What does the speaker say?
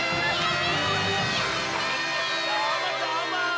どーもどーも！